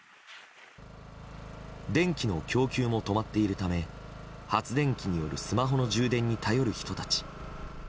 電気の供給も止まっているため発電機によるスマホの充電に頼る人たち。